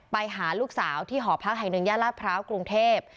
ไปหาลูกสาวที่หอพักหายเนืองยะลาดพร้าวกรุงเทพ